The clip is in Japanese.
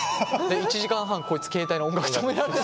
１時間半こいつ携帯の音楽止められなくて。